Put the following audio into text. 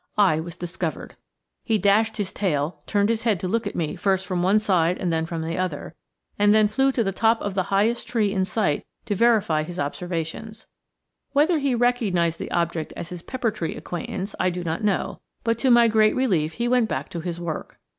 I was discovered. He dashed his tail, turned his head to look at me first from one side and then from the other, and then flew to the top of the highest tree in sight to verify his observations. Whether he recognized the object as his pepper tree acquaintance, I do not know; but to my great relief he went back to his work.